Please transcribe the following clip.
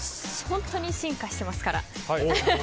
本当に進化してますから。